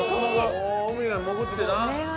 海へ潜ってな。